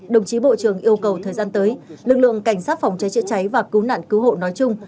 đồng chí bộ trưởng yêu cầu thời gian tới lực lượng cảnh sát phòng cháy chữa cháy và cứu nạn cứu hộ nói chung